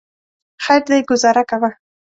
خیر دی ګوزاره کوه.